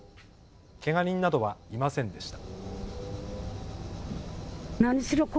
けが人などはいませんでした。